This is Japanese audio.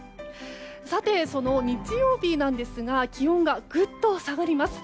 さて、その日曜日なんですが気温がぐっと下がります。